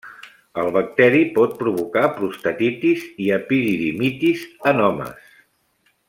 El bacteri pot provocar prostatitis i epididimitis en homes.